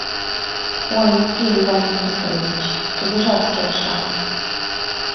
— Ой, уке, Иван Никифорович, — тудыжат келша.